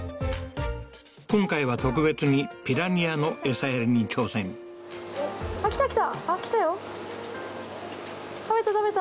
今回は特別にピラニアの餌やりに挑戦あっ来た来た！